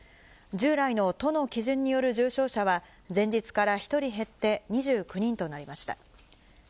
従来の都の基準による重症者は、前日から１人減って２９人となりました。